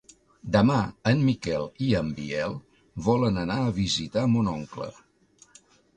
Demà en Miquel i en Biel volen anar a visitar mon oncle.